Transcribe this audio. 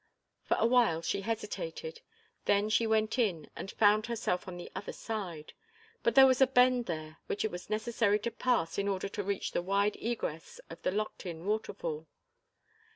For a while she hesitated, then she went in and found herself on the other side. But there was a bend there, which it was necessary to pass in order to reach the wide egress of the locked in waterfall.